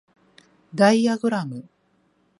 ダイアグラム